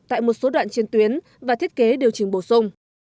tại một số đoạn trên tuyến và thiết kế điều chỉnh bổ sung